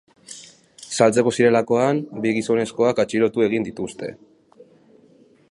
Saltzeko zirelakoan, bi gizonezkoak atxilotu egin dituzte.